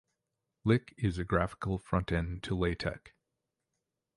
LyX is a graphical frontend to LaTeX.